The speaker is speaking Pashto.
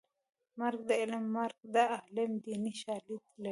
مرګ د عالم مرګ د عالم دیني شالید لري